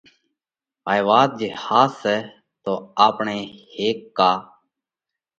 هائي وات جي ۿاسي سئہ تو آپڻئہ ھيڪ ڪا